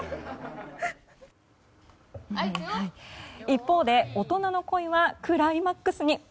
一方で大人の恋はクライマックスに。